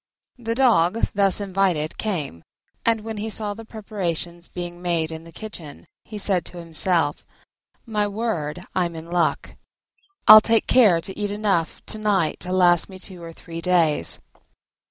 The Dog thus invited came, and when he saw the preparations being made in the kitchen he said to himself, "My word, I'm in luck: I'll take care to eat enough to night to last me two or three days."